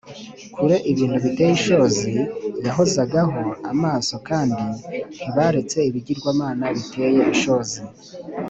kure ibintu biteye ishozi yahozagaho amaso kandi ntibaretse ibigirwamana biteye ishozi